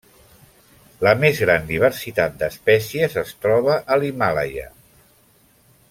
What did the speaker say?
La més gran diversitat d'espècies es troba a l'Himàlaia.